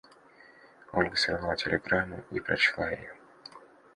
Ольга сорвала телеграмму и прочла ее.